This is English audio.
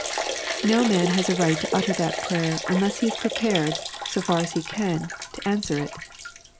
No man has a right to utter that prayer unless he is prepared, so far as he can, to answer it.